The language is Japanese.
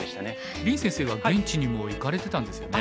林先生は現地にも行かれてたんですよね？